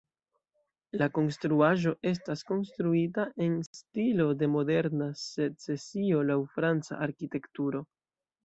La konstruaĵo estas konstruita en stilo de moderna secesio laŭ franca arkitekturo.